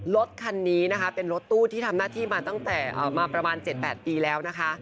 รถคันนี้นะคะเป็นรถตู้ที่ทำหน้าที่มาตั้งแต่มาประมาณ๗๘ปีแล้วนะคะ